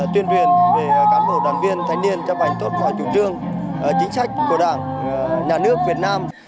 tuyên truyền về cán bộ đoàn viên thanh niên cho bành tốt của chủ trương chính sách của đảng nhà nước việt nam